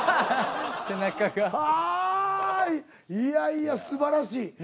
いやいやすばらしい。